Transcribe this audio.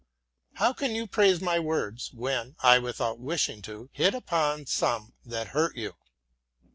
How can you praise my words, when I, without wishing to, hit upon some that hurt you?